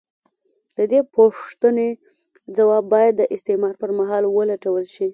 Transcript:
د دې پوښتنې ځواب باید د استعمار پر مهال ولټول شي.